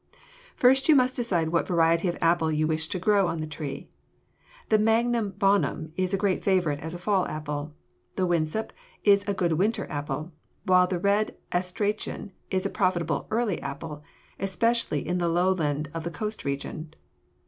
First you must decide what variety of apple you want to grow on the tree. The Magnum Bonum is a great favorite as a fall apple. The Winesap is a good winter apple, while the Red Astrachan is a profitable early apple, especially in the lowland of the coast region.